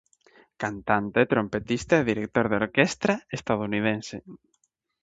Cantante, trompetista e director de orquestra estadounidense.